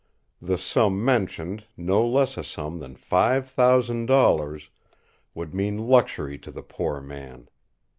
The sum mentioned, no less a sum than five thousand dollars, would mean luxury to the poor man.